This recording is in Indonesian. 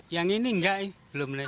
yang ini enggak belum lagi